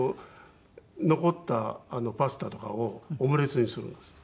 残ったパスタとかをオムレツにするんですよ。